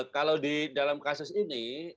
kalau di dalam kasus ini